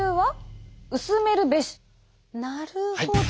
なるほど。